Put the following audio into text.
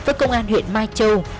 với công an huyện mai châu